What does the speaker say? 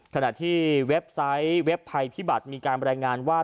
ขณะที่เว็บไพพิบัตรมีการบรรยายงานว่า